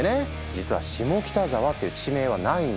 実は「下北沢」っていう地名はないんだ。